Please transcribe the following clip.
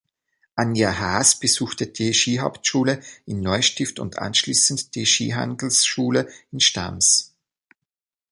Anja Haas besuchte die Skihauptschule in Neustift und anschließend die Skihandelsschule in Stams.